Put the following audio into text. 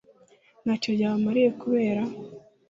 Nta cyo ryabamariye kubera